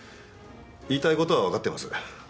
言いたいことは分かってます。